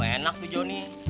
enak tuh joni